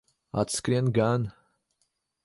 Atskrien gan.